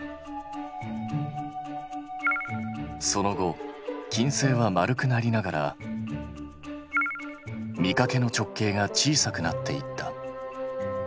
その後金星は丸くなりながら見かけの直径が小さくなっていった。